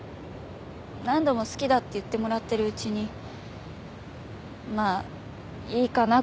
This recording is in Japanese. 何度も好きだって言ってもらってるうちにまあいいかな